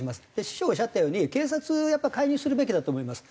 師匠がおっしゃったように警察やっぱり介入するべきだと思います。